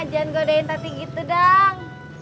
jangan godein tati gitu dang